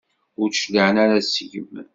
Ur d-cliɛen ara seg-m.